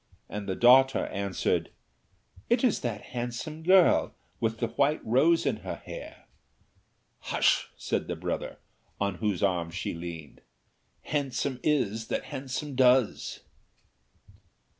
and the daughter answered, "It is that handsome girl, with the white rose in her hair." "Hush!" said the brother, on whose arm she leaned; "Handsome is that handsome does."